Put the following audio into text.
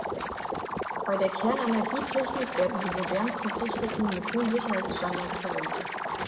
Bei der Kernenergietechnik werden die modernsten Techniken mit hohen Sicherheitsstandards verwendet.